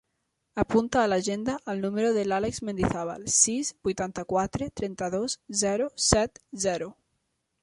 Apunta a l'agenda el número de l'Àlex Mendizabal: sis, vuitanta-quatre, trenta-dos, zero, set, zero.